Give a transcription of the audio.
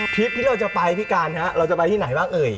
คลิปที่เราจะไปพี่การฮะเราจะไปที่ไหนบ้างเอ่ย